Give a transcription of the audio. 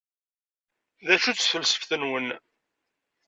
D acu-tt tfelseft-nwen?